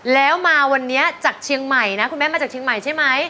แล้วมาวันนี้จากเชียงใหม่นะคุณแม่มาจากเชียงใหม่ใช่ไหม